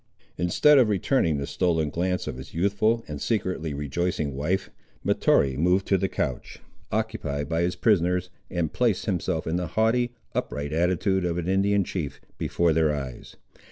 Instead of returning the stolen glance of his youthful and secretly rejoicing wife, Mahtoree moved to the couch, occupied by his prisoners, and placed himself in the haughty, upright attitude of an Indian chief, before their eyes.